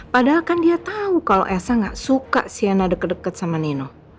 padahal kan dia tau kalau elsa gak suka sienna deket deket sama nino